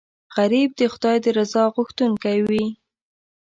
غریب د خدای د رضا غوښتونکی وي